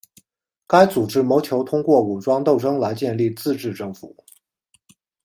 该组织谋求通过武装斗争来建立自治政府。